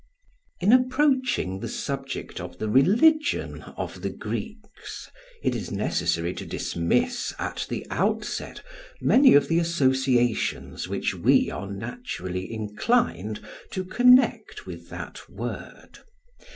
In approaching the subject of the religion of the Greeks it is necessary to dismiss at the outset many of the associations which we are naturally inclined to connect with that word.